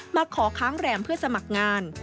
มาขอค้างแรมเพื่อสมัครงาน